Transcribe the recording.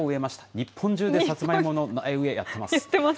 日本中でさつまいもの苗植えやってます。